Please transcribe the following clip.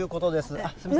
あっ、すみません。